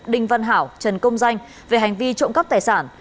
đinh văn hảo trần công danh về hành vi trộm cắp tài sản